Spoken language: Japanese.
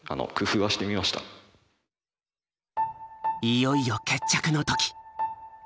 いよいよ決着の時。